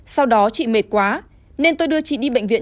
sau đó chị mệt quá nên tôi đưa chị đi bệnh viện